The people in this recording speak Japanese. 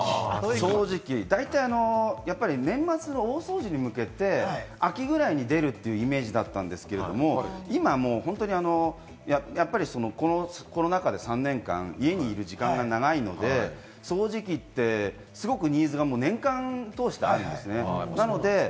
大体、年末の大掃除に向けて秋ぐらいに出るというイメージだったんですけれど、今はもう、ほんとにコロナ禍で３年間、家にいる時間が長いので、掃除機ってすごく、年間通してニーズがあるんですね。